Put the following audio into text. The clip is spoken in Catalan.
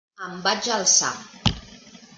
Em vaig alçar.